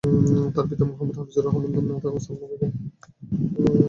তার পিতা মোহাম্মদ হাফিজুর রহমান এবং মাতা সালমা বেগম।